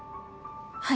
はい。